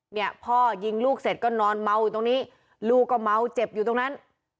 เนี่ยพ่อยิงลูกเสร็จก็นอนเมาอยู่ตรงนี้ลูกก็เมาเจ็บอยู่ตรงนั้น